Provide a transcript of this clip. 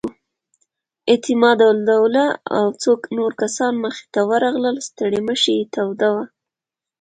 اعتماد الدوله او څو نور کسان مخې ته ورغلل، ستړې مشې یې توده وه.